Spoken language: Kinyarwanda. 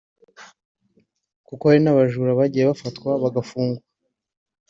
kuko hari n’abajura bagiye bafatwa bagafungwa